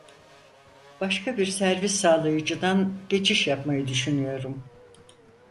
Başka bir servis sağlayıcıdan geçiş yapmayı düşünüyorum